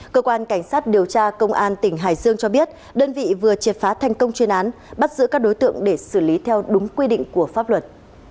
cơ quan cảnh sát điều tra công an tỉnh hải dương cho biết đơn vị vừa triệt phá thành công chuyên án bắt giữ các đối tượng để xử lý theo đúng quy định của pháp luật